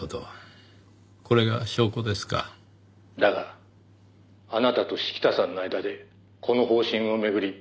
「だがあなたと式田さんの間でこの方針を巡り」